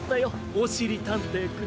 おしりたんていくん。